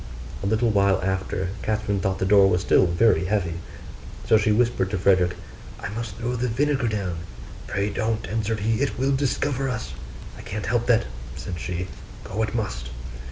A little while after, Catherine thought the door was still very heavy: so she whispered to Frederick, 'I must throw the vinegar down.' 'Pray don't,' answered he, 'it will discover us.' 'I can't help that,' said she, 'go it must.